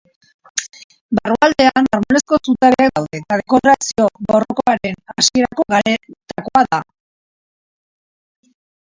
Barrualdean marmolezko zutabeak daude eta dekorazioa barrokoaren hasierako garaitakoa da.